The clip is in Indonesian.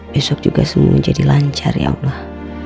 besok juga semua menjadi lancar ya allah